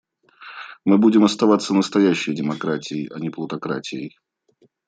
Мы будем оставаться настоящей демократией, а не плутократией.